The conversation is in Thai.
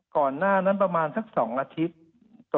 ก่อนหน้านั้นประมาณสัก๒อาทิตย์